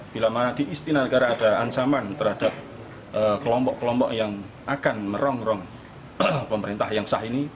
bila mana di istanagara ada ancaman terhadap kelompok kelompok yang akan merong rong pemerintah yang sah ini